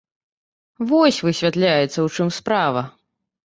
Вось, высвятляецца, у чым справа!